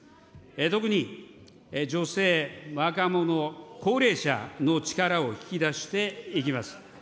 特に女性、若者、高齢者の力を引き出していきます。